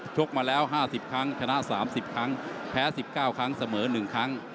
กมาแล้ว๕๐ครั้งชนะ๓๐ครั้งแพ้๑๙ครั้งเสมอ๑ครั้ง